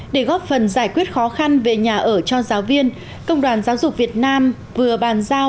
để góp phần giải quyết khó khăn về nhà ở cho giáo viên công đoàn giáo dục việt nam vừa bàn giao